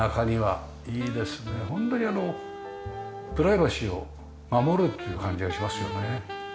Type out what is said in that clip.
ホントにプライバシーを守れるという感じがしますよね。